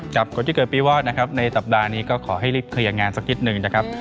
คนที่เกิดปีวอดนะครับในสัปดาห์นี้ก็ขอให้รีบเคลียร์งานสักนิดหนึ่งนะครับ